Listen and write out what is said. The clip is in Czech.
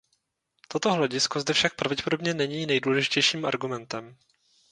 Toto hledisko zde však pravděpodobně není nejdůležitějším argumentem.